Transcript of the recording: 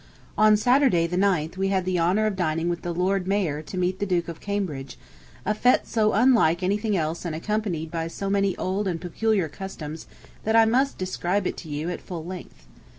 ... On Saturday the 9th we had the honor of dining with the Lord Mayor to meet the Duke of Cambridge, a fête so unlike anything else and accompanied by so many old and peculiar customs that I must describe it to you at full length.